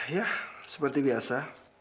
ya seperti biasa